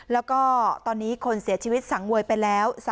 แล้วก็ตอนนี้คนเสียชีวิตสังเวยไปแล้ว